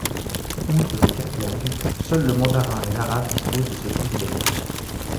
Outre ces quatre langues, seuls le mandarin et l'arabe disposent de ce privilège.